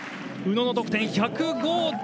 宇野の得点１０５．４６。